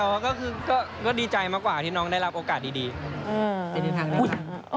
กำลังนั่งเมาส์หน้าน้องมาริโอกันอย่างเผิดเผิน